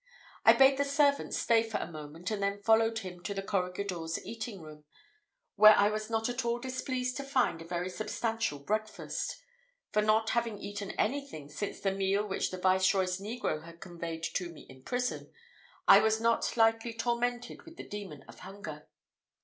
I bade the servant stay for a moment, and then followed him to the corregidor's eating room, where I was not at all displeased to find a very substantial breakfast; for not having eaten anything since the meal which the Viceroy's negro had conveyed to me in prison, I was not lightly tormented with the demon of hunger.